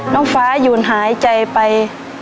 น้องฟ้าหยุ่นหายใจไป